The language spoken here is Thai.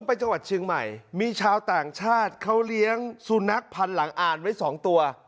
ไปจังหวัดเชียงใหม่มีชาวต่างชาติเขาเลี้ยงสุนัขพันหลังอ่านไว้สองตัว